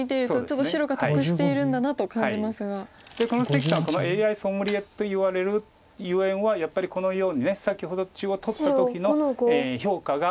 関さんはＡＩソムリエといわれるゆえんはやっぱりこのように先ほど中央取った時の評価が。